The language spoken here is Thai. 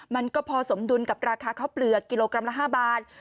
มันก็พอสมดุลกับราคาข้าวเปลือกกิโลกรัมละ๕บาท